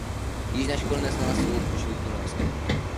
Již na škole poznala svou životní lásku.